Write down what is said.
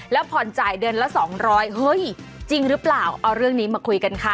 แล้วผ่อนจ่ายเดือนละ๒๐๐เฮ้ยจริงหรือเปล่าเอาเรื่องนี้มาคุยกันค่ะ